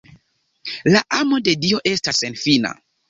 La amo de Dio estas senfina.